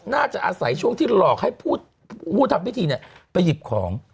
น่าจะอาศัยช่วงที่หลอกให้ผู้ทำพิธีไปหยิบของ